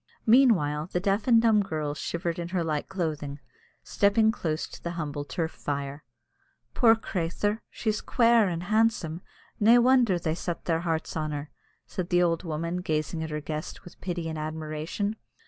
Meanwhile, the deaf and dumb girl shivered in her light clothing, stepping close to the humble turf fire. "Poor crathur, she's quare and handsome! Nae wonder they set their hearts on her," said the old woman, gazing at her guest with pity and admiration.